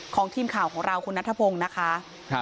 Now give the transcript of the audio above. ของทีมข่าวของเราคุณนัทพงศ์นะคะ